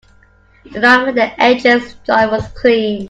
The line where the edges join was clean.